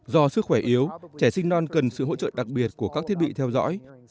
do sức khỏe yếu trẻ sinh non cần sự hỗ trợ đặc biệt của các thiết bị theo dõi